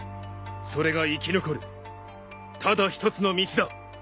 それが生き残るただ一つの道だ！